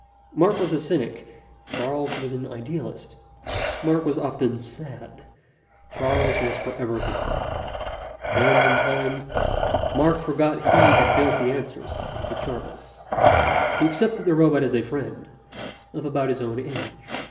Mark was a cynic, Charles was an idealist. Mark was often sad; Charles was forever content. And in time, Mark forgot he had built the answers into Charles. He accepted the robot as a friend, of about his own age.